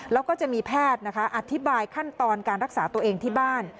แล้วก็จะมีแพทย์นะคะอธิบายขั้นตอนการรักษาตัวเองที่บ้าน